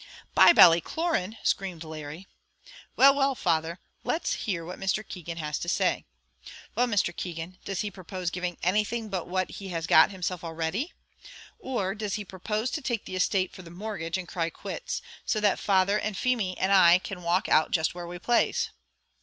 "Buy Ballycloran!" screamed Larry. "Well, well, father; let's hear what Mr. Keegan has to say. Well, Mr. Keegan, does he propose giving anything but what he has got himself already? or does he propose to take the estate for the mortgage, and cry quits; so that father, and Feemy, and I, can walk out just where we plaze?"